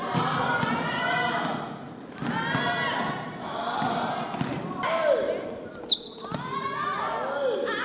สุดท้ายสุดท้ายสุดท้าย